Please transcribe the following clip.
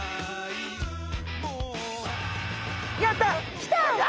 やったきた！